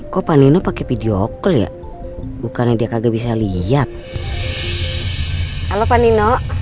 kopan ini pakai video klik bukannya dia kagak bisa lihat halo pak nino